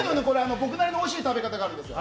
僕なりのおいしい食べ方があるんですよ。